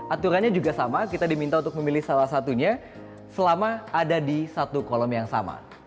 aturannya juga sama kita diminta untuk memilih salah satunya selama ada di satu kolom yang sama